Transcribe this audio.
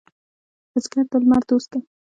بزګر د لمر دوست دی